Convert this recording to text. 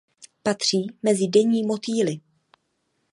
Patří mezi denní motýly.